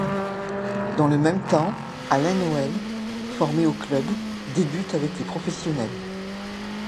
Dans le même temps, Alain Noël, formé au club, débute avec les professionnels.